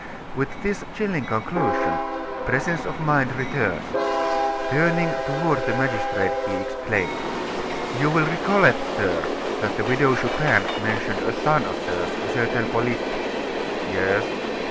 With this chilling conclusion, presence of mind returned. Turning toward the magistrate, he exclaimed: "You will recollect, sir, that the Widow Chupin mentioned a son of hers, a certain Polyte " "Yes."